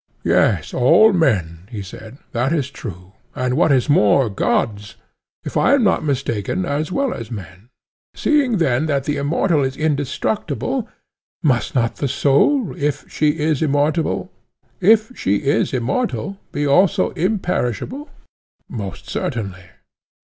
Yes, all men, he said—that is true; and what is more, gods, if I am not mistaken, as well as men. Seeing then that the immortal is indestructible, must not the soul, if she is immortal, be also imperishable? Most certainly.